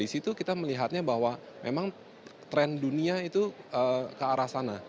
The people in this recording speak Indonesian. nah dari situ kita melihatnya bahwa memang trend dunia itu ke arah sana